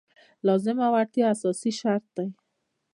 لازمه وړتیا اساسي شرط دی.